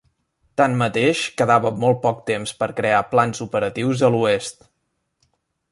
Tanmateix, quedava molt poc temps per crear plans operatius a l'oest.